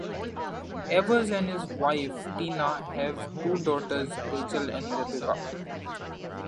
Evers and his wife Tina have two daughters, Rachel and Rebecca.